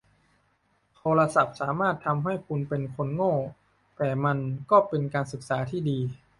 โทรทัศน์สามารถทำให้คุณเป็นคนโง่ แต่มันก็เป็นการศึกษาที่ดี